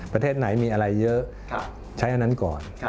ประเทศไหนมีอะไรเยอะใช้อันนั้นก่อน